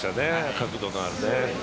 角度のある。